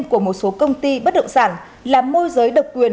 của một số công ty bất động sản làm môi giới đồng hành